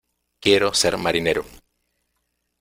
¡Quiero ser marinero!